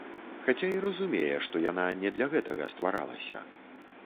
Хаця і разумее, што яна не для гэтага стваралася.